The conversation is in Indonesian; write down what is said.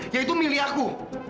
yaitu milih aku